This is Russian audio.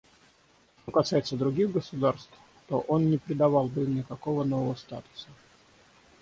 Что касается других государств, то он не придавал бы им никакого нового статуса.